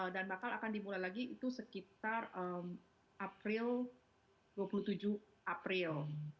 dan bakal akan dimulai lagi itu sekitar april dua puluh tujuh april